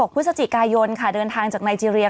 พฤศจิกายนค่ะเดินทางจากไนเจรีย